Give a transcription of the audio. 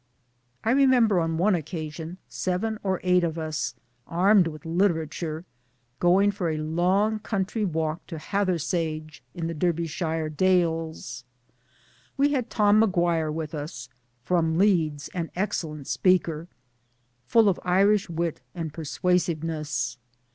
I remember on one occasion seven or eight of us, armed with literature, going for a long country walk to Hathersage in the Derby shire dales. We had Tom Maguire with us, from 1 Leeds, an excellent speaker, full of Irish wit and persuasiveness.